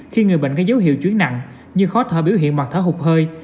khi người bệnh có dấu hiệu chuyến nặng như khó thở biểu hiện hoặc thở hụt hơi